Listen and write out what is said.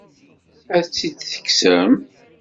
Ad tt-id-tekksem?